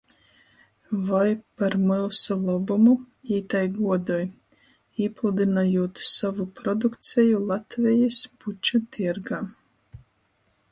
Voi par myusu lobumu jī tai guodoj, īpludynojūt sovu produkceju Latvejis puču tiergā?